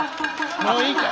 もういいか。